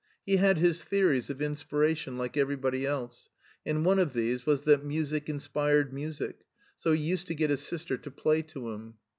He had his theories of inspiration like everybody else, and one of these was that music inspired music, so he used to get his sister to play to him.